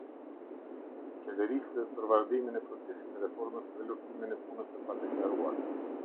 Qeverisë për vazhdimin e procesit të reformës dhe luftimin e punës së padeklaruar.